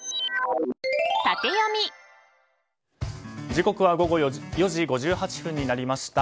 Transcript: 時刻は午後４時５８分になりました。